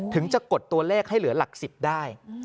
ถึงจะกดตัวเลขให้เหลือหลัก๑๐ได้